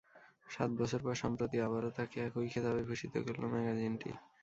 সাত বছর পর সম্প্রতি আবারও তাঁকে একই খেতাবে ভূষিত করল ম্যাগাজিনটি।